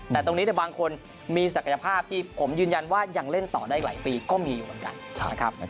แต่ตรงนี้บางคนมีศักยภาพที่ผมยืนยันว่ายังเล่นต่อได้อีกหลายปีก็มีอยู่เหมือนกันนะครับ